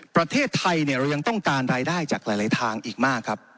ประเทศไทยเรายังต้องการรายได้จากหลายทางอีกมากครับ